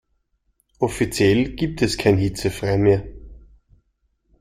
Offiziell gibt es kein Hitzefrei mehr.